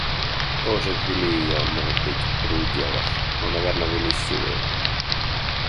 Тоже ввели ее, может быть, при уделах, но, наверно, ввели силою.